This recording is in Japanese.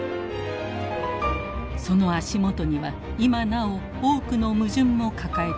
その足元には今なお多くの矛盾も抱えています。